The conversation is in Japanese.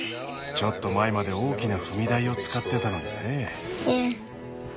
ちょっと前まで大きな踏み台を使ってたのにね。